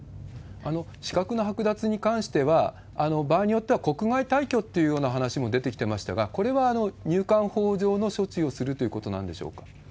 資格の剥奪に関しては、場合によっては国外退去という話も出てきてましたが、これは入管法上の処置をするということなんでしょうか？